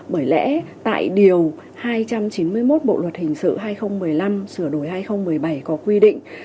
bởi lẽ tại điều hai trăm chín mươi một bộ luật hình sự hai nghìn một mươi năm sửa đổi hai nghìn một mươi bảy có quy định